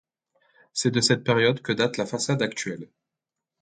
C'est de cette période que date la façade actuelle.